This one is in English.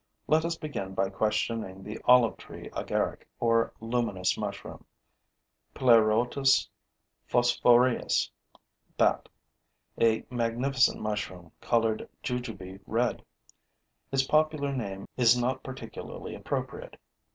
Let us begin by questioning the olive tree agaric or luminous mushroom (Pleurotus phosphoreus, BATT.), a magnificent mushroom colored jujube red. Its popular name is not particularly appropriate.